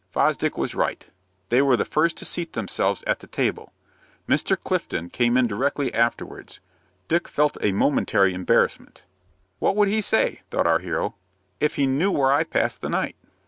Fosdick was right. They were the first to seat themselves at the table. Mr. Clifton came in directly afterwards. Dick felt a momentary embarrassment. "What would he say," thought our hero, "if he knew where I passed the night?"